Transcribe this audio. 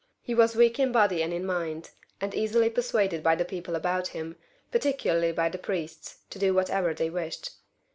He was weak in body and in mind, and easily persuaded by the people about him, particularly by the priests, to do whatever they wished.